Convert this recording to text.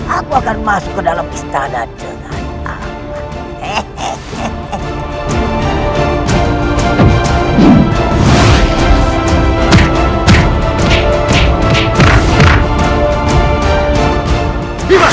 aku akan masuk ke dalam istana dengan aman